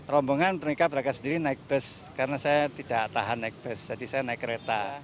rombongan mereka berangkat sendiri naik bus karena saya tidak tahan naik bus jadi saya naik kereta